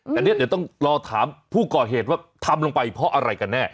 แต่เนี่ยเดี๋ยวต้องรอถามผู้ก่อเหตุว่าทำลงไปเพราะอะไรกันแน่